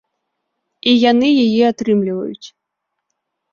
І яны яе атрымліваюць.